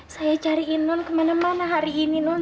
saya cariin nont kemana mana hari ini nont